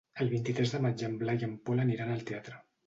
El vint-i-tres de maig en Blai i en Pol aniran al teatre.